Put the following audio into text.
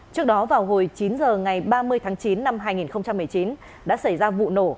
trước đó vào hồi chín h ngày ba mươi tháng chín năm hai nghìn một mươi chín đã xảy ra vụ nổ